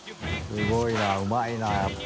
すごいなうまいなやっぱ。